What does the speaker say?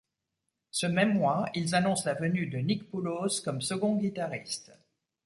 Ce même mois, ils annoncent la venue de Nick Poulos comme second guitariste.